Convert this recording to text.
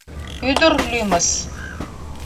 Ӱдыр лӱмыс.